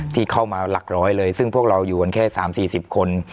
ที่เข้ามาหลักร้อยเลยซึ่งพวกเราอยู่กันแค่๓๔๐คน